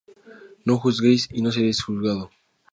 No juzguéis y no seréis juzgados